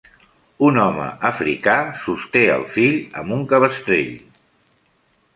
Un home africà sosté el fill amb un cabestrell.